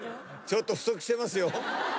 ちょっと不足してますよ。